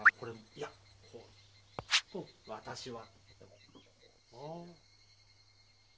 いや私は。